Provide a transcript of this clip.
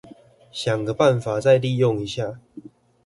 想個辦法再利用一下